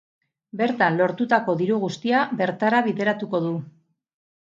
Bertan lortutako diru guztia bertara bideratuko du.